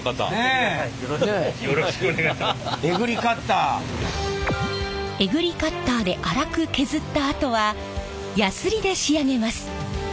えぐりカッターで粗く削ったあとはやすりで仕上げます。